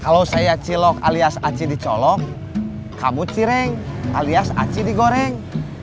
kalau saya cilok alias aci dicolok kamu cireng alias aci digoreng